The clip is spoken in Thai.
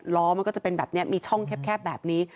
ล้อมันก็จะเป็นแบบนี้มีช่องแคบแบบนี้